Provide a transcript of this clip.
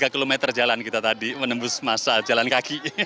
tiga km jalan kita tadi menembus masa jalan kaki